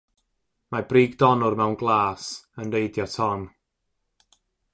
Mae brigdonnwr mewn glas yn reidio ton.